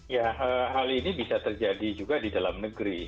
ya hal ini bisa terjadi juga di dalam negeri